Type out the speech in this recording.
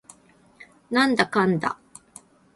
なんだかんだ